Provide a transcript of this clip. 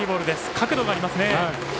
角度がありますね。